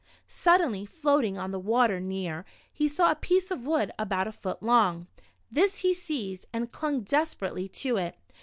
Suddenly, floating on the water near, he saw a piece of wood, about a foot long. This he seized, and clung desperately to it.